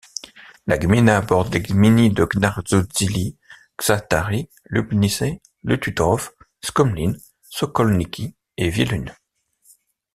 La gmina borde les gminy de Czarnożyły, Czastary, Łubnice, Lututów, Skomlin, Sokolniki et Wieluń.